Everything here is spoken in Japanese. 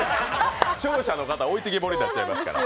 視聴者の方、置いてけぼりになっちゃいますから。